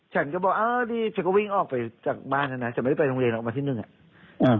ฉันก็บอกเออนี่ฉันก็วิ่งออกไปจากบ้านแล้วนะฉันไม่ได้ไปโรงเรียนออกมาที่หนึ่งอ่ะ